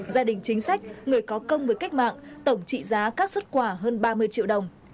gia đình chính sách người có công với cách mạng tổng trị giá các xuất quà hơn ba mươi triệu đồng